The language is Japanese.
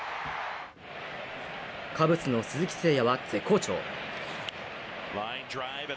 カブスの鈴木誠也は絶好調。